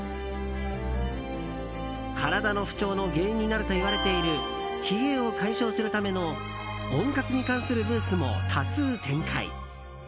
体の不調の原因になるといわれている冷えを解消するための温活に関するブースも多数展開。